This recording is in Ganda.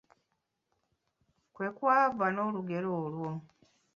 Kwe kwava n'olugero olwo.